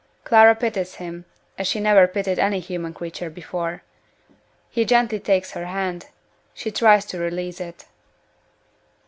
Clara pities him as she never pitied any human creature before. He gently takes her hand. She tries to release it.